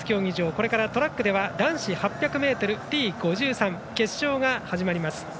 これからトラックでは男子８００ｍＴ５３決勝が始まります。